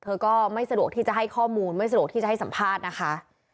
ก็ไม่สะดวกที่จะให้ข้อมูลไม่สะดวกที่จะให้สัมภาษณ์นะคะ